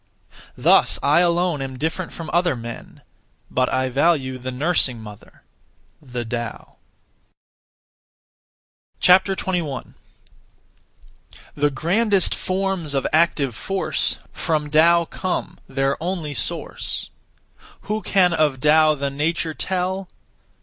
(Thus) I alone am different from other men, but I value the nursing mother (the Tao). 21. The grandest forms of active force From Tao come, their only source. Who can of Tao the nature tell?